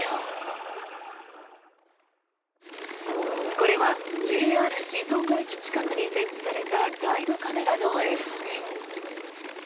これはＪＲ静岡駅近くに設置されたライブカメラの映像です。